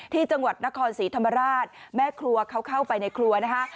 ที่จังหวัดนครศรีธรรมราชแม่ครัวเขาเข้าไปในครัวนะคะ